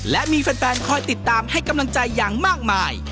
และมีแฟนคอยติดตามให้กำลังใจอย่างมากมาย